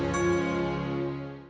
yaa balik dulu deh